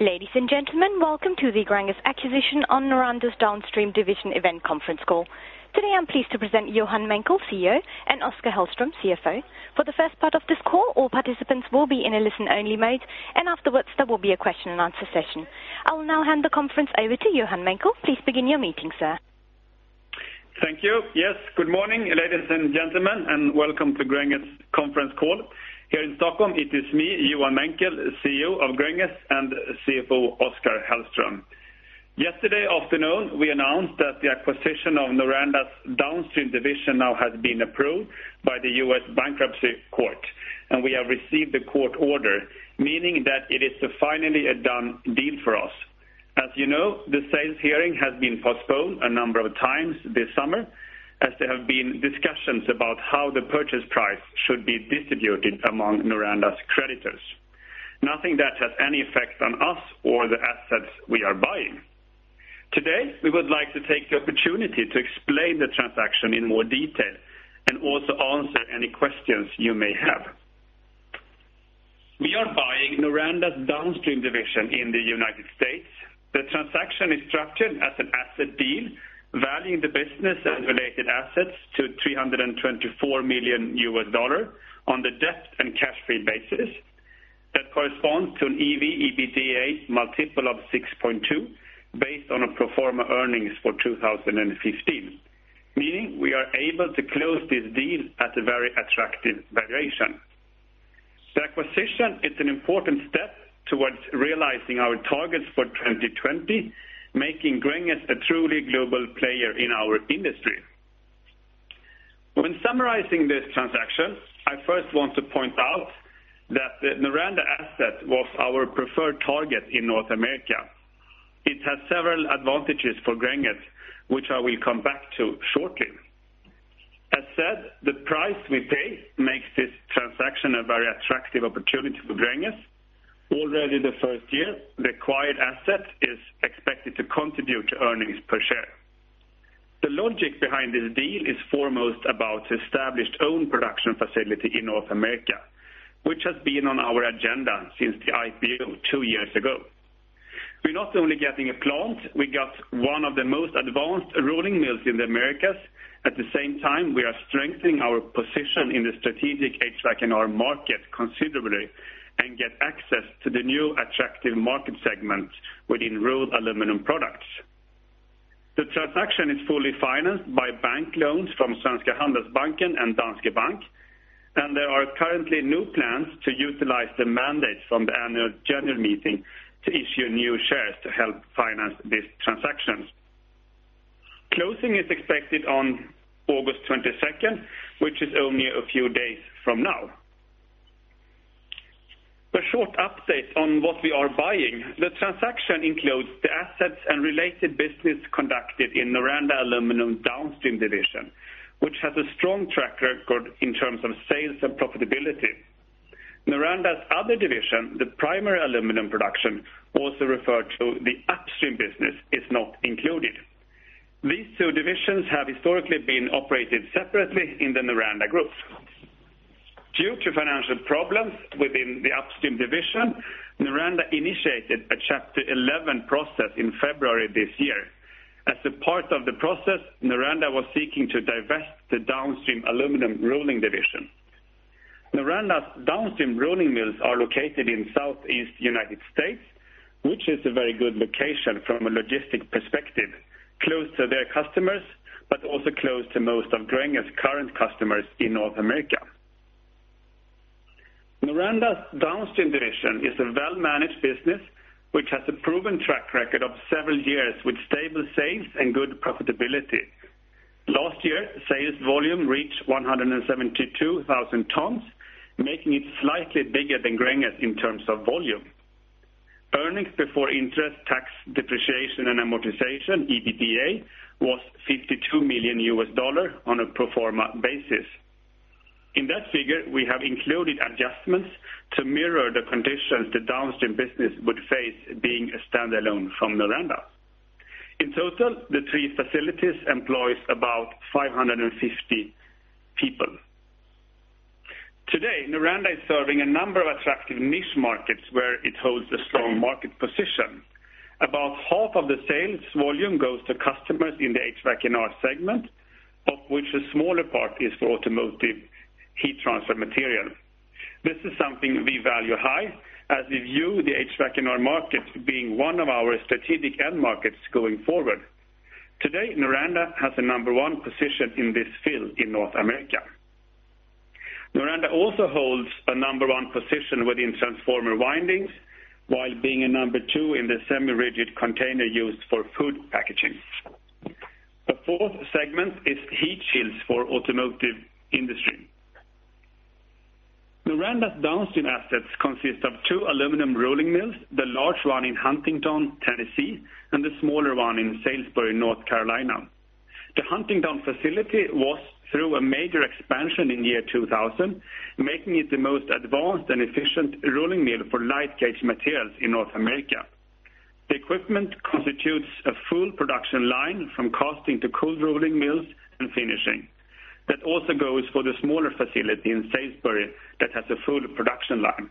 Ladies and gentlemen, welcome to the Gränges Acquisition on Noranda's Downstream Division event conference call. Today, I'm pleased to present Johan Menckel, CEO, and Oskar Hellström, CFO. For the first part of this call, all participants will be in a listen-only mode, and afterwards, there will be a question and answer session. I will now hand the conference over to Johan Menckel. Please begin your meeting, sir. Thank you. Yes, good morning, ladies and gentlemen, and welcome to Gränges conference call. Here in Stockholm, it is me, Johan Menckel, CEO of Gränges, and CFO, Oskar Hellström. Yesterday afternoon, we announced that the acquisition of Noranda's Downstream division now has been approved by the U.S. Bankruptcy Court, and we have received the court order, meaning that it is finally a done deal for us. As you know, the sales hearing has been postponed a number of times this summer, as there have been discussions about how the purchase price should be distributed among Noranda's creditors. Nothing that has any effect on us or the assets we are buying. Today, we would like to take the opportunity to explain the transaction in more detail, and also answer any questions you may have. We are buying Noranda's Downstream division in the United States. The transaction is structured as an asset deal, valuing the business and related assets to $324 million on the debt and cash-free basis. That corresponds to an EV/EBITDA multiple of 6.2, based on a pro forma earnings for 2015, meaning we are able to close this deal at a very attractive valuation. The acquisition is an important step towards realizing our targets for 2020, making Gränges a truly global player in our industry. When summarizing this transaction, I first want to point out that the Noranda asset was our preferred target in North America. It has several advantages for Gränges, which I will come back to shortly. As said, the price we pay makes this transaction a very attractive opportunity for Gränges. Already the first year, the acquired asset is expected to contribute to earnings per share. The logic behind this deal is foremost about established own production facility in North America, which has been on our agenda since the IPO two years ago. We're not only getting a plant, we got one of the most advanced rolling mills in the Americas. At the same time, we are strengthening our position in the strategic HVAC&R market considerably and get access to the new attractive market segment within rolled aluminum products. The transaction is fully financed by bank loans from Svenska Handelsbanken and Danske Bank. There are currently no plans to utilize the mandate from the annual general meeting to issue new shares to help finance this transaction. Closing is expected on August 22nd, which is only a few days from now. A short update on what we are buying. The transaction includes the assets and related business conducted in Noranda Aluminum Downstream division, which has a strong track record in terms of sales and profitability. Noranda's other division, the primary aluminum production, also referred to the Upstream business, is not included. These two divisions have historically been operated separately in the Noranda group. Due to financial problems within the Upstream division, Noranda initiated a Chapter 11 process in February this year. As a part of the process, Noranda was seeking to divest the Downstream aluminum rolling division. Noranda's downstream rolling mills are located in Southeast U.S., which is a very good location from a logistic perspective, close to their customers, but also close to most of Gränges' current customers in North America. Noranda's Downstream division is a well-managed business, which has a proven track record of several years with stable sales and good profitability. Last year, sales volume reached 172,000 tons, making it slightly bigger than Gränges in terms of volume. Earnings Before Interest, Taxes, Depreciation, and Amortization, EBITDA, was $52 million on a pro forma basis. In that figure, we have included adjustments to mirror the conditions the Downstream business would face being a standalone from Noranda. In total, the three facilities employ about 550 people. Today, Noranda is serving a number of attractive niche markets where it holds a strong market position. About half of the sales volume goes to customers in the HVACR segment, of which a smaller part is for automotive heat transfer material. This is something we value high as we view the HVACR market being one of our strategic end markets going forward. Today, Noranda has a number one position in this field in North America. Noranda also holds a number one position within transformer windings, while being a number two in the semi-rigid container used for food packaging. A fourth segment is heat shields for automotive industry. Noranda's Downstream assets consist of two aluminum rolling mills, the large one in Huntingdon, Tennessee, and the smaller one in Salisbury, North Carolina. The Huntingdon facility was through a major expansion in year 2000, making it the most advanced and efficient rolling mill for light gauge materials in North America. The equipment constitutes a full production line from casting to cold rolling mills and finishing. That also goes for the smaller facility in Salisbury that has a full production line.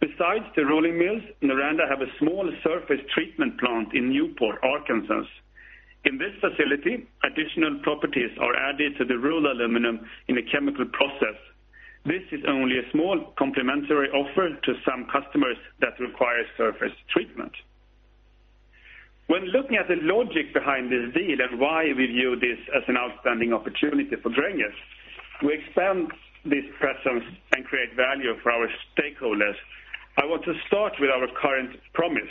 Besides the rolling mills, Noranda has a small surface treatment plant in Newport, Arkansas. In this facility, additional properties are added to the rolled aluminum in a chemical process. This is only a small complementary offer to some customers that require surface treatment. When looking at the logic behind this deal and why we view this as an outstanding opportunity for Gränges, to expand this presence and create value for our stakeholders, I want to start with our current promise.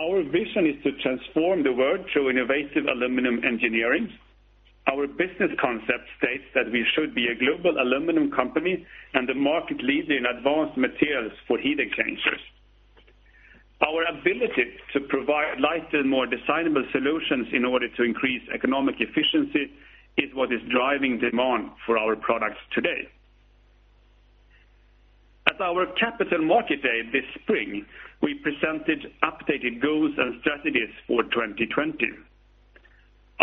Our vision is to transform the world through innovative aluminum engineering. Our business concept states that we should be a global aluminum company and the market leader in advanced materials for heat exchangers. Our ability to provide lighter, more designable solutions in order to increase economic efficiency is what is driving demand for our products today. At our Capital Markets Day this spring, we presented updated goals and strategies for 2020.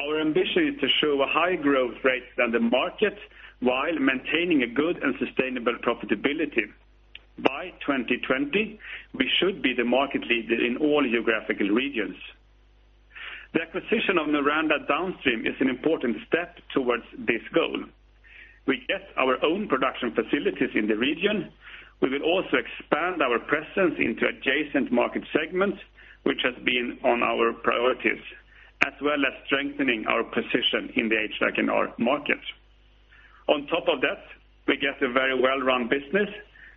Our ambition is to show a higher growth rate than the market, while maintaining a good and sustainable profitability. By 2020, we should be the market leader in all geographical regions. The acquisition of Noranda Downstream is an important step towards this goal. We get our own production facilities in the region. We will also expand our presence into adjacent market segments, which has been on our priorities, as well as strengthening our position in the HVAC&R market. On top of that, we get a very well-run business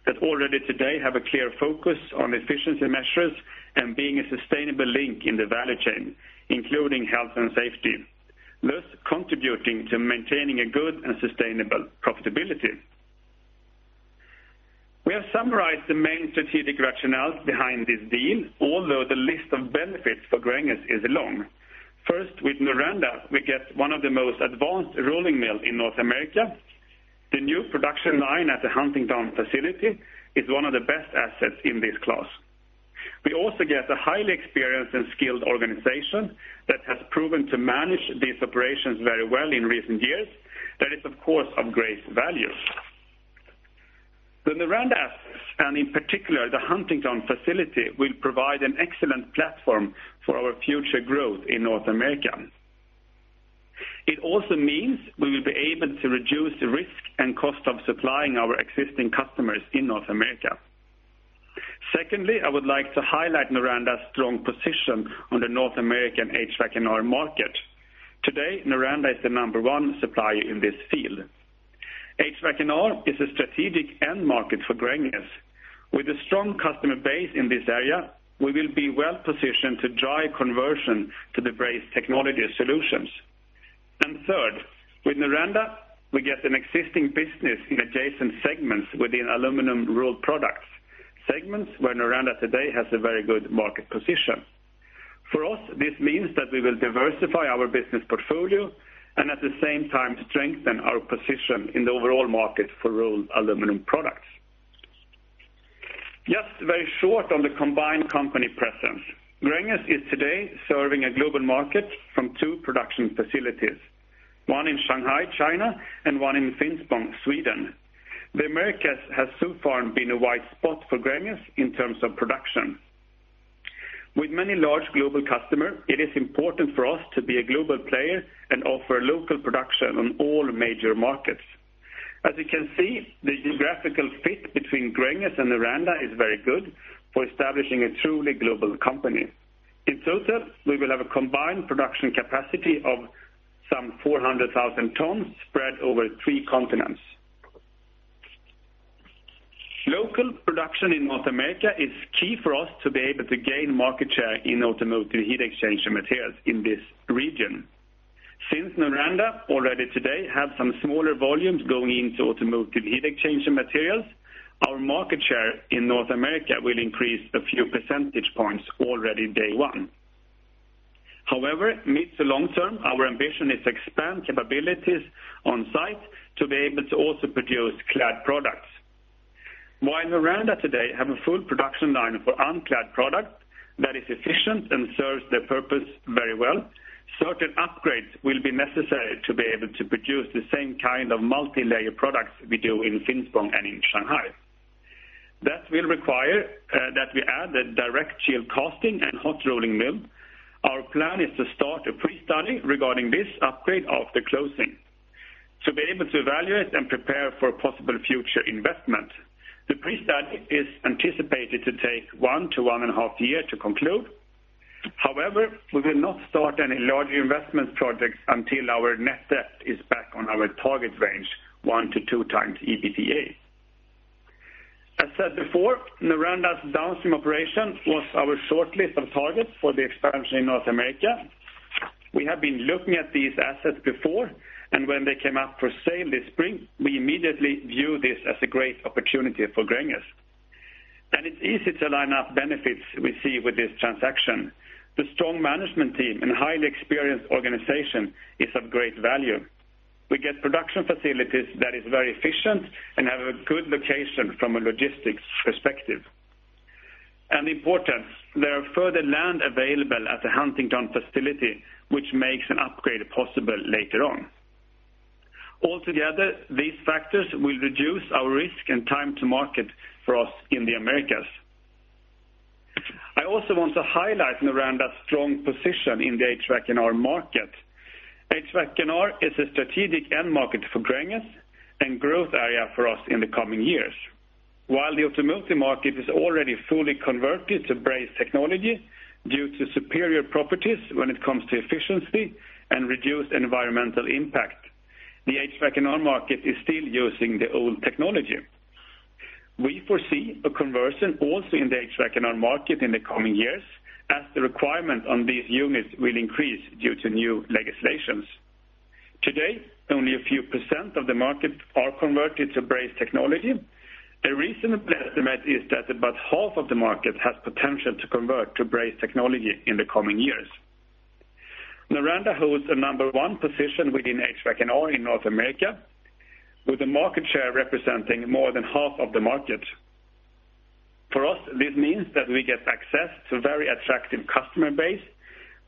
that already today have a clear focus on efficiency measures and being a sustainable link in the value chain, including health and safety, thus contributing to maintaining a good and sustainable profitability. We have summarized the main strategic rationales behind this deal, although the list of benefits for Gränges is long. First, with Noranda, we get one of the most advanced rolling mill in North America. The new production line at the Huntingdon facility is one of the best assets in this class. We also get a highly experienced and skilled organization that has proven to manage these operations very well in recent years. That is, of course, of great value. The Noranda assets, and in particular, the Huntingdon facility, will provide an excellent platform for our future growth in North America. It also means we will be able to reduce risk and cost of supplying our existing customers in North America. Secondly, I would like to highlight Noranda's strong position on the North American HVAC/R market. Today, Noranda is the number one supplier in this field. HVAC/R is a strategic end market for Gränges. With a strong customer base in this area, we will be well positioned to drive conversion to the braze technology solutions. Third, with Noranda, we get an existing business in adjacent segments within aluminum rolled products, segments where Noranda today has a very good market position. For us, this means that we will diversify our business portfolio and at the same time strengthen our position in the overall market for rolled aluminum products. Just very short on the combined company presence. Gränges is today serving a global market from two production facilities, one in Shanghai, China, and one in Finspång, Sweden. The Americas has so far been a wide spot for Gränges in terms of production. With many large global customer, it is important for us to be a global player and offer local production on all major markets. As you can see, the geographical fit between Gränges and Noranda is very good for establishing a truly global company. In total, we will have a combined production capacity of some 400,000 tons spread over three continents. Local production in North America is key for us to be able to gain market share in automotive heat exchanger materials in this region. Since Noranda already today have some smaller volumes going into automotive heat exchanger materials, our market share in North America will increase a few percentage points already day one. However, mid to long term, our ambition is to expand capabilities on site to be able to also produce clad products. While Noranda today have a full production line for unclad product that is efficient and serves their purpose very well, certain upgrades will be necessary to be able to produce the same kind of multilayer products we do in Finspång and in Shanghai. That will require that we add a direct chill casting and hot rolling mill. Our plan is to start a pre-study regarding this upgrade after closing. To be able to evaluate and prepare for a possible future investment, the pre-study is anticipated to take one to one and a half year to conclude. However, we will not start any larger investment projects until our net debt is back on our target range, 1 to 2 times EBITDA. As said before, Noranda's Downstream operation was our shortlist of targets for the expansion in North America. We have been looking at these assets before, and when they came up for sale this spring, we immediately view this as a great opportunity for Gränges. It's easy to line up benefits we see with this transaction. The strong management team and highly experienced organization is of great value. We get production facilities that is very efficient and have a good location from a logistics perspective. Important, there are further land available at the Huntingdon facility which makes an upgrade possible later on. All together, these factors will reduce our risk and time to market for us in the Americas. I also want to highlight Noranda's strong position in the HVAC&R market. HVAC&R is a strategic end market for Gränges and growth area for us in the coming years. While the automotive market is already fully converted to braze technology due to superior properties when it comes to efficiency and reduced environmental impact, the HVAC&R market is still using the old technology. We foresee a conversion also in the HVAC&R market in the coming years as the requirement on these units will increase due to new legislations. Today, only a few % of the market are converted to braze technology. A reasonable estimate is that about half of the market has potential to convert to braze technology in the coming years. Noranda holds a number 1 position within HVAC&R in North America, with a market share representing more than half of the market. For us, this means that we get access to a very attractive customer base.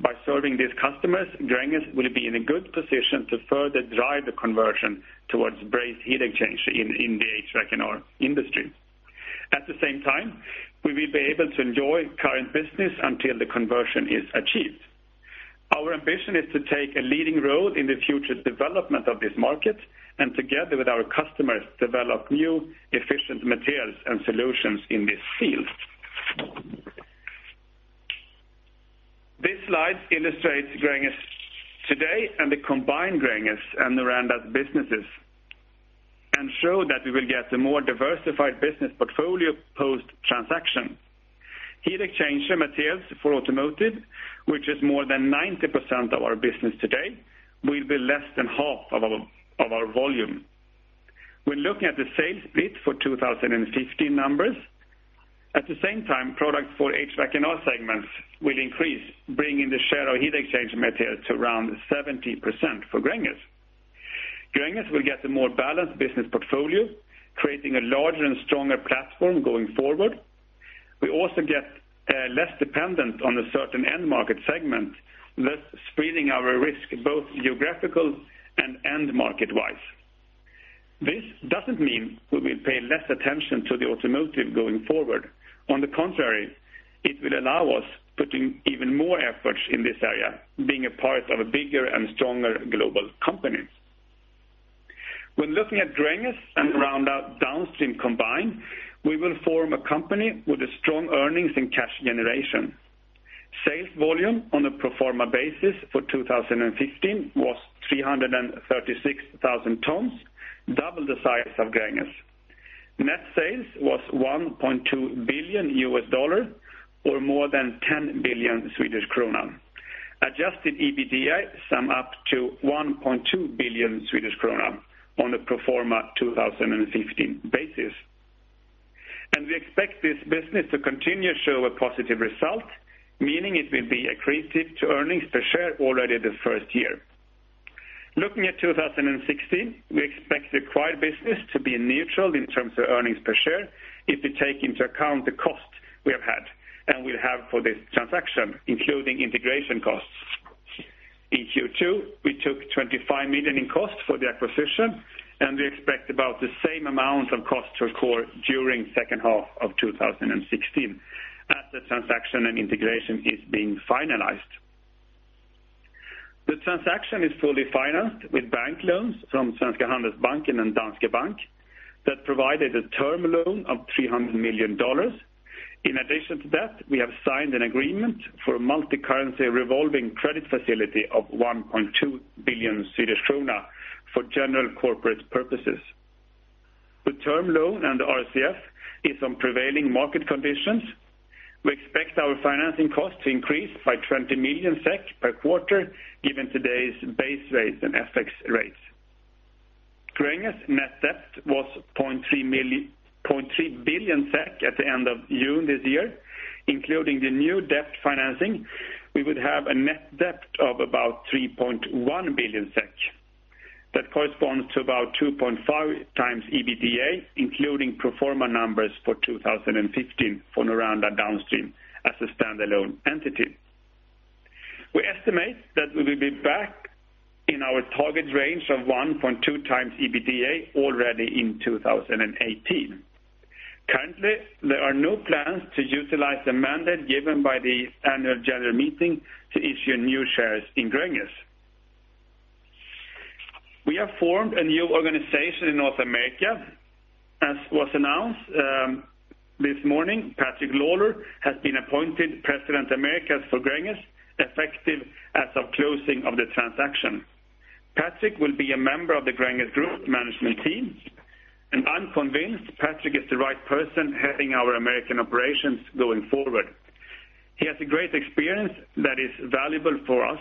By serving these customers, Gränges will be in a good position to further drive the conversion towards braze heat exchanger in the HVAC&R industry. At the same time, we will be able to enjoy current business until the conversion is achieved. Our ambition is to take a leading role in the future development of this market, and together with our customers, develop new efficient materials and solutions in this field. This slide illustrates Gränges today and the combined Gränges and Noranda businesses, and show that we will get a more diversified business portfolio post-transaction. Heat exchanger materials for automotive, which is more than 90% of our business today, will be less than half of our volume. We're looking at the sales split for 2015 numbers. At the same time, products for HVAC&R segments will increase, bringing the share of heat exchanger material to around 70% for Gränges. Gränges will get a more balanced business portfolio, creating a larger and stronger platform going forward. We also get less dependent on a certain end market segment, thus spreading our risk, both geographical and end market-wise. This doesn't mean we will pay less attention to the automotive going forward. On the contrary, it will allow us putting even more efforts in this area, being a part of a bigger and stronger global company. When looking at Gränges and Noranda Downstream combined, we will form a company with strong earnings and cash generation. Sales volume on a pro forma basis for 2015 was 336,000 tons, double the size of Gränges. Net sales was $1.2 billion, or more than 10 billion Swedish krona. Adjusted EBITDA sum up to 1.2 billion Swedish krona on a pro forma 2015 basis. We expect this business to continue to show a positive result, meaning it will be accretive to earnings per share already the first year. Looking at 2016, we expect the acquired business to be neutral in terms of earnings per share if you take into account the cost we have had, and will have for this transaction, including integration costs. In Q2, we took 25 million in cost for the acquisition, and we expect about the same amount of cost to occur during second half of 2016 as the transaction and integration is being finalized. The transaction is fully financed with bank loans from Svenska Handelsbanken and Danske Bank that provided a term loan of $300 million. In addition to that, we have signed an agreement for a multicurrency revolving credit facility of 1.2 billion Swedish krona for general corporate purposes. The term loan and RCF is on prevailing market conditions. We expect our financing cost to increase by 20 million SEK per quarter given today's base rates and FX rates. Gränges net debt was 0.3 billion SEK at the end of June this year. Including the new debt financing, we would have a net debt of about 3.1 billion SEK. That corresponds to about 2.5x EBITDA, including pro forma numbers for 2015 for Noranda Downstream as a standalone entity. We estimate that we will be back in our target range of 1.2x EBITDA already in 2018. Currently, there are no plans to utilize the mandate given by the annual general meeting to issue new shares in Gränges. We have formed a new organization in North America. As was announced this morning, Patrick Lawlor has been appointed President Americas for Gränges, effective as of closing of the transaction. Patrick will be a member of the Gränges group management team. I'm convinced Patrick is the right person heading our American operations going forward. He has a great experience that is valuable for us,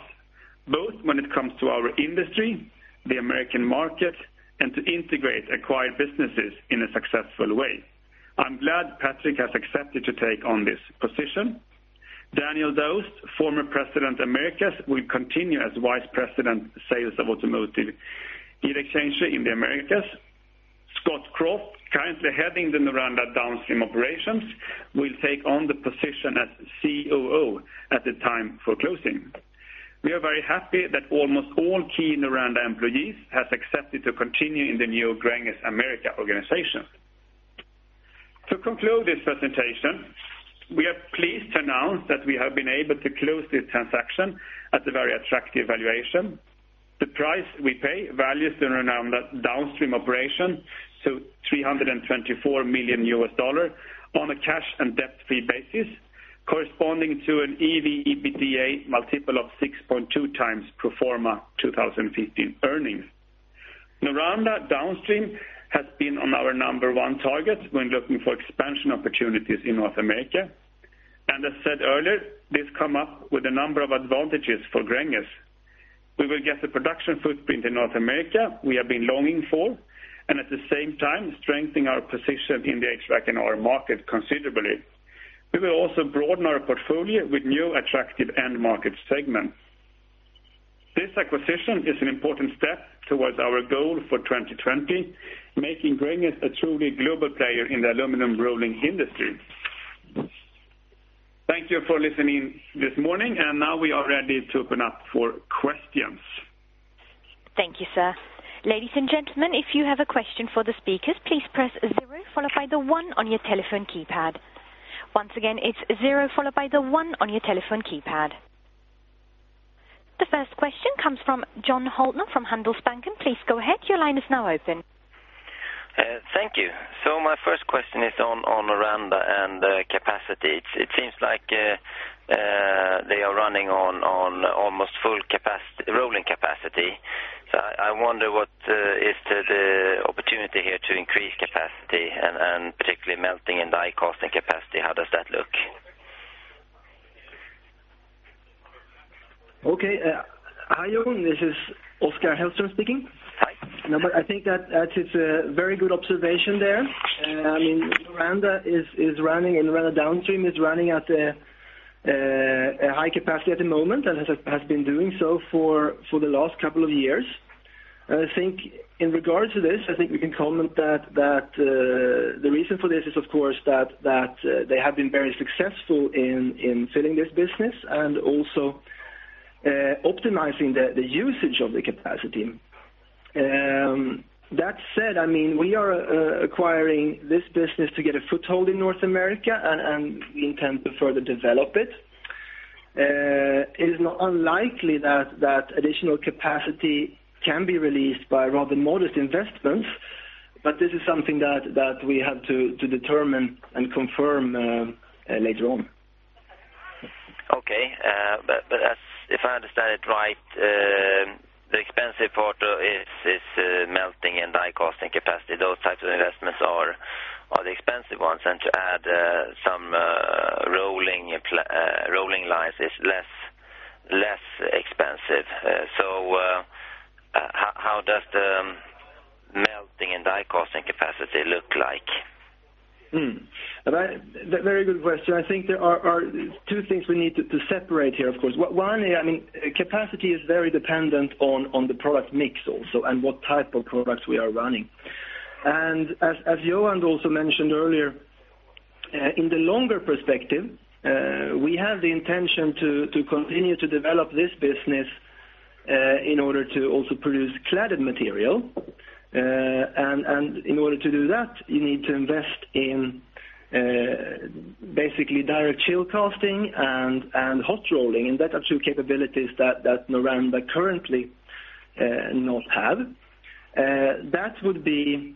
both when it comes to our industry, the American market, and to integrate acquired businesses in a successful way. I'm glad Patrick has accepted to take on this position. Daniel Daoust, former President Americas, will continue as Vice President Sales of Automotive Heat Exchanger in the Americas. Scott Croft, currently heading the Noranda Downstream operations, will take on the position as COO at the time for closing. We are very happy that almost all key Noranda employees have accepted to continue in the new Gränges Americas organization. To conclude this presentation, we are pleased to announce that we have been able to close this transaction at a very attractive valuation. The price we pay values the Noranda Downstream operation to $324 million on a cash and debt-free basis, corresponding to an EBITDA multiple of 6.2x pro forma 2015 earnings. Noranda Downstream has been on our number one target when looking for expansion opportunities in North America. As said earlier, this come up with a number of advantages for Gränges. We will get the production footprint in North America we have been longing for, and at the same time strengthen our position in the HVAC&R market considerably. We will also broaden our portfolio with new attractive end market segment. This acquisition is an important step towards our goal for 2020, making Gränges a truly global player in the aluminum rolling industry. Thank you for listening this morning. Now we are ready to open up for questions. Thank you, sir. Ladies and gentlemen, if you have a question for the speakers, please press zero followed by the one on your telephone keypad. Once again, it's zero followed by the one on your telephone keypad. The first question comes from John Holtner from Handelsbanken. Please go ahead. Your line is now open. Thank you. My first question is on Noranda and capacity. It seems like they are running on almost full rolling capacity. I wonder what is the opportunity here to increase capacity and particularly melting and die casting capacity, how does that look? Okay. Hi, John. This is Oskar Hellström speaking. Hi. No, I think that is a very good observation there. Noranda Downstream is running at a high capacity at the moment and has been doing so for the last couple of years. In regards to this, I think we can comment that the reason for this is, of course, that they have been very successful in filling this business and also optimizing the usage of the capacity. That said, we are acquiring this business to get a foothold in North America, and we intend to further develop it. It is not unlikely that additional capacity can be released by rather modest investments, but this is something that we have to determine and confirm later on. Okay. If I understand it right, the expensive part is melting and die casting capacity. Those types of investments are the expensive ones, and to add some rolling lines is less expensive. How does the melting and die casting capacity look like? Very good question. I think there are two things we need to separate here, of course. One, capacity is very dependent on the product mix also, and what type of products we are running. As Johan also mentioned earlier, in the longer perspective, we have the intention to continue to develop this business, in order to also produce cladded material, and in order to do that, you need to invest in basically direct chill casting and hot rolling, and that are two capabilities that Noranda currently not have. That would be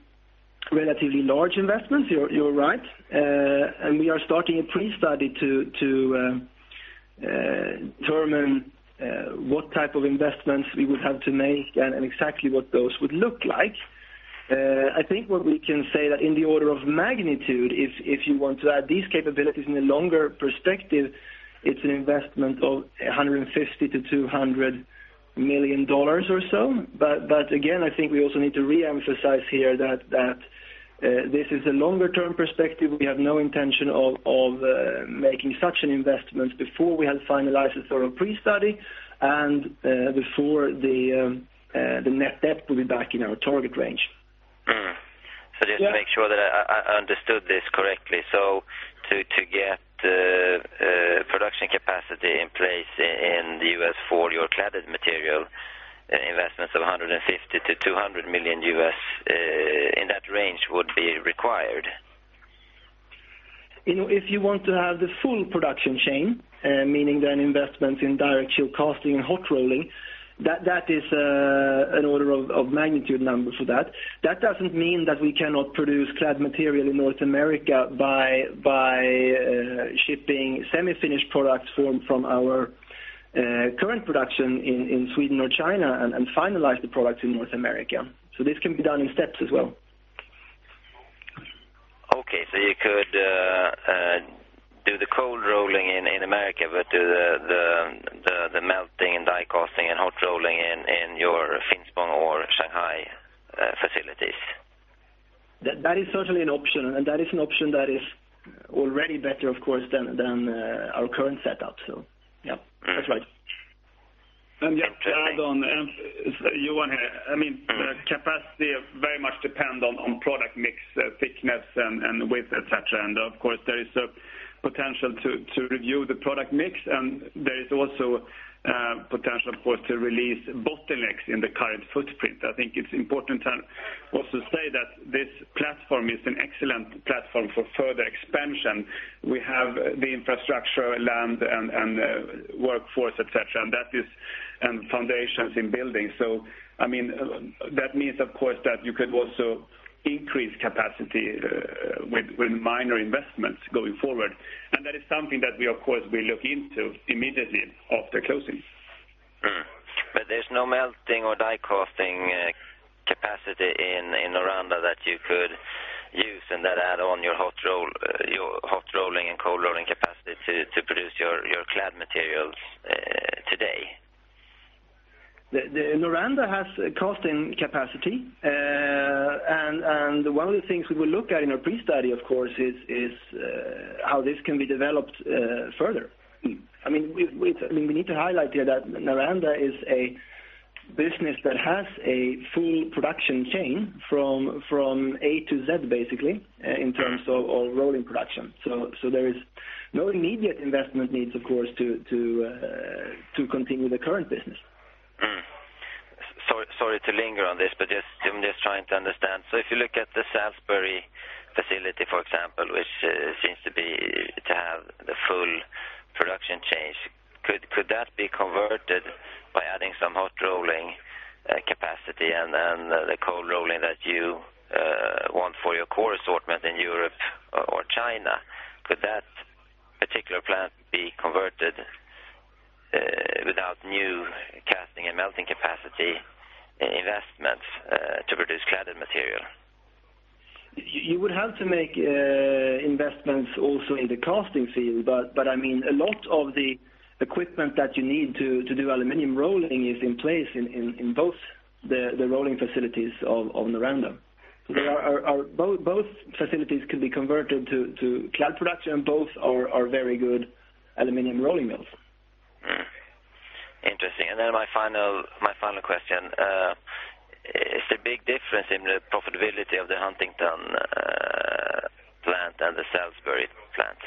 relatively large investments, you are right. We are starting a pre-study to determine what type of investments we would have to make and exactly what those would look like. I think what we can say that in the order of magnitude, if you want to add these capabilities in a longer perspective, it's an investment of $150 million-$200 million or so. Again, I think we also need to reemphasize here that this is a longer term perspective. We have no intention of making such an investment before we have finalized a thorough pre-study and before the net debt will be back in our target range. Just to make sure that I understood this correctly. To get production capacity in place in the U.S. for your clad material, investments of 150 million-200 million in that range would be required? If you want to have the full production chain, meaning then investments in direct chill casting and hot rolling, that is an order of magnitude number for that. That doesn't mean that we cannot produce clad material in North America by shipping semi-finished products from our current production in Sweden or China and finalize the product in North America. This can be done in steps as well. You could do the cold rolling in America, but do the die casting and hot rolling in your Finspång or Shanghai facilities? That is certainly an option, and that is an option that is already better, of course, than our current setup. Yeah, that's right. It's Johan here. Capacity very much depend on product mix, thickness, and width, et cetera. Of course, there is a potential to review the product mix, and there is also potential, of course, to release bottlenecks in the current footprint. I think it's important then also to say that this platform is an excellent platform for further expansion. We have the infrastructure, land, and workforce, et cetera, and foundations in building. That means, of course, that you could also increase capacity with minor investments going forward. That is something that we, of course, will look into immediately after closing. There's no melting or die casting capacity in Noranda that you could use and then add on your hot rolling and cold rolling capacity to produce your clad materials today. Noranda has casting capacity. One of the things we will look at in our pre-study, of course, is how this can be developed further. We need to highlight here that Noranda is a business that has a full production chain from A to Z, basically, in terms of rolling production. There is no immediate investment needs, of course, to continue the current business. Sorry to linger on this, I'm just trying to understand. If you look at the Salisbury facility, for example, which seems to have the full production chain, could that be converted by adding some hot rolling capacity and then the cold rolling that you want for your core assortment in Europe or China? Could that particular plant be converted without new casting and melting capacity investments to produce cladded material? You would have to make investments also in the casting field, but a lot of the equipment that you need to do aluminum rolling is in place in both the rolling facilities of Noranda. Both facilities could be converted to clad production. Both are very good aluminum rolling mills. Interesting. My final question, is there a big difference in the profitability of the Huntingdon plant and the Salisbury plant?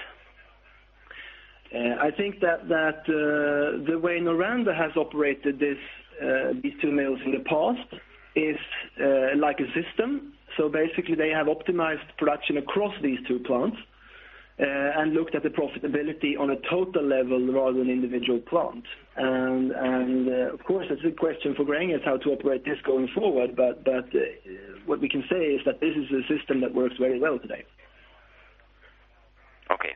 I think that the way Noranda has operated these two mills in the past is like a system. They have optimized production across these two plants and looked at the profitability on a total level rather than individual plant. That's a good question for Gränges how to operate this going forward, but what we can say is that this is a system that works very well today. Okay.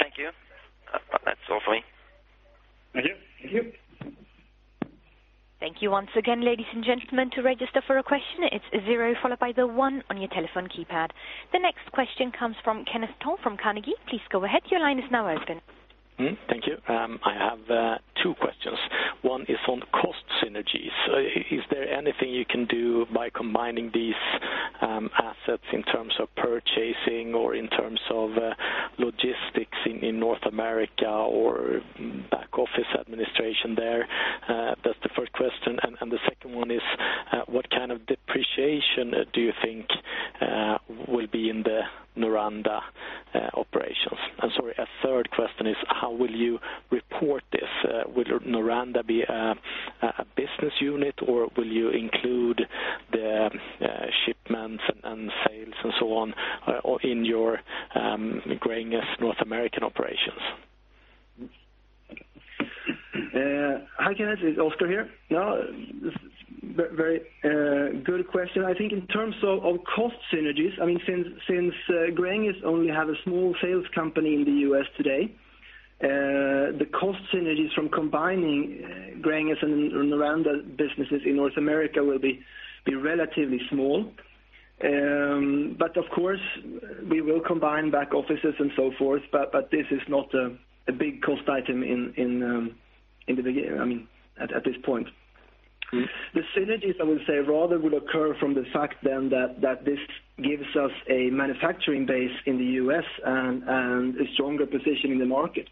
Thank you. That's all for me. Thank you. Thank you. Thank you once again, ladies and gentlemen. To register for a question, it's zero followed by the one on your telephone keypad. The next question comes from Kenneth Tong from Carnegie. Please go ahead. Your line is now open. Thank you. I have two questions. One is on cost synergies. Is there anything you can do by combining these assets in terms of purchasing or in terms of logistics in North America or back office administration there? That's the first question. The second one is, what kind of depreciation do you think will be in the Noranda operations? Sorry, a third question is, how will you report this? Will Noranda be a business unit, or will you include the shipments and sales and so on in your Gränges North American operations? Hi, Kenneth. It's Oskar here. Very good question. I think in terms of cost synergies, since Gränges only have a small sales company in the U.S. today, the cost synergies from combining Gränges and Noranda businesses in North America will be relatively small. Of course, we will combine back offices and so forth, but this is not a big cost item at this point. The synergies, I would say, rather would occur from the fact that this gives us a manufacturing base in the U.S. and a stronger position in the market.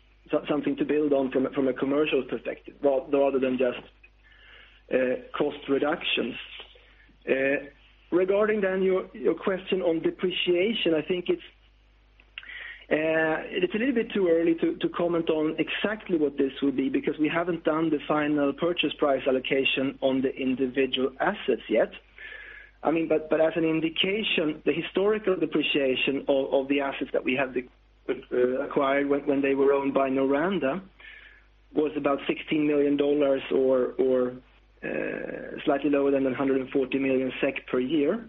Something to build on from a commercial perspective, rather than just cost reductions. Regarding your question on depreciation, I think it's a little bit too early to comment on exactly what this will be because we haven't done the final purchase price allocation on the individual assets yet. As an indication, the historical depreciation of the assets that we have acquired when they were owned by Noranda was about $16 million or slightly lower than 140 million SEK per year.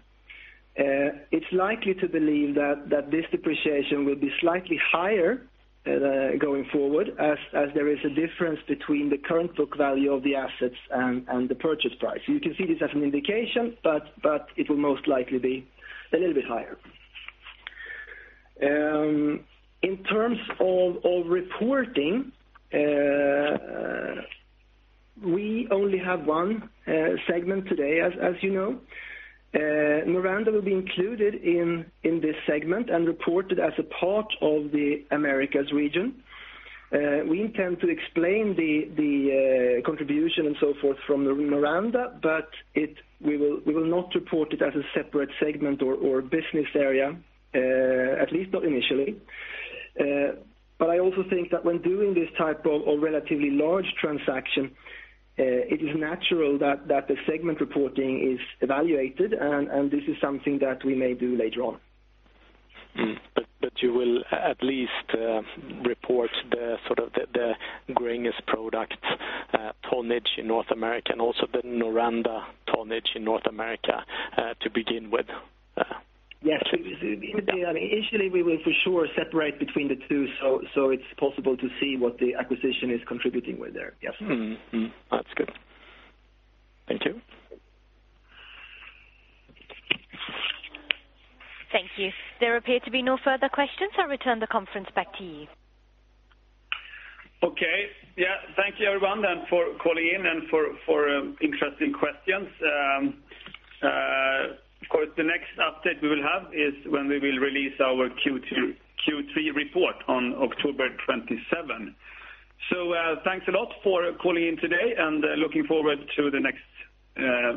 It's likely to believe that this depreciation will be slightly higher going forward as there is a difference between the current book value of the assets and the purchase price. You can see this as an indication, but it will most likely be a little bit higher. In terms of reporting, we only have one segment today as you know. Noranda will be included in this segment and reported as a part of the Americas region. We intend to explain the contribution and so forth from Noranda, but we will not report it as a separate segment or business area, at least not initially. I also think that when doing this type of relatively large transaction, it is natural that the segment reporting is evaluated, and this is something that we may do later on. You will at least report the Gränges product tonnage in North America and also the Noranda tonnage in North America to begin with? Yes. Initially, we will for sure separate between the two so it is possible to see what the acquisition is contributing with there. Yes. That is good. Thank you. Thank you. There appear to be no further questions. I return the conference back to you. Okay. Yeah. Thank you everyone for calling in and for interesting questions. Of course, the next update we will have is when we will release our Q3 report on October 27. Thanks a lot for calling in today, and looking forward to the next.